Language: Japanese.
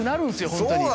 本当に。